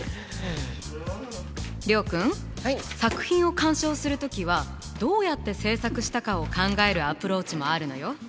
諒君作品を鑑賞する時はどうやって制作したかを考えるアプローチもあるのよ。